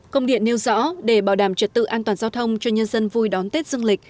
công điện nêu rõ để bảo đảm trật tự an toàn giao thông cho nhân dân vui đón tết dương lịch